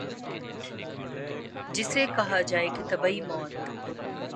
جسے کہا جائے کہ طبیعی موت